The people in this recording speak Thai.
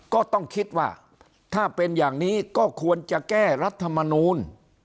ก็ต้องคิดว่าถ้าเป็นอย่างนี้ก็ควรจะแก้รัฐมนูล